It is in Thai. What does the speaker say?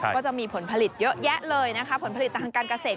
ก็จะมีผลผลิตเยอะแยะเลยนะคะผลผลิตทางการเกษตร